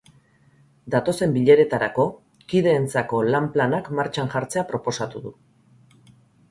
Datozen bileretarako, kideentzako lan-planak martxan jartzea proposatu du.